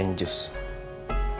oke nikmat atau berser fazla